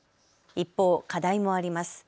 一方、課題もあります。